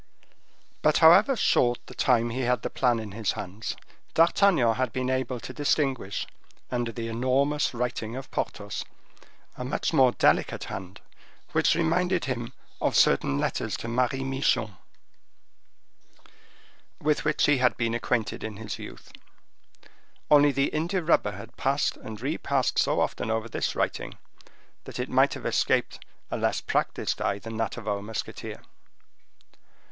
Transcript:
But however short the time he had the plan in his hands, D'Artagnan had been able to distinguish, under the enormous writing of Porthos, a much more delicate hand, which reminded him of certain letters to Marie Michon, with which he had been acquainted in his youth. Only the India rubber had passed and repassed so often over this writing that it might have escaped a less practiced eye than that of our musketeer.